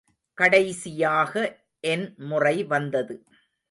கடைசியாக என் முறை வந்தது.